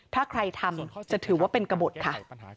ถ้าใครทำจะถือว่าเป็นกระบดค่ะ